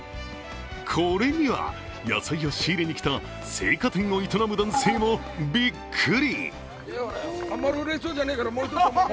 これには、野菜を仕入れに来た青果店を営む男性もびっくり。